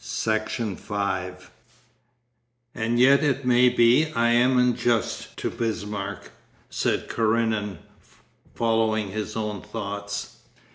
Section 5 'And yet it may be I am unjust to Bismarck,' said Karenin, following his own thoughts.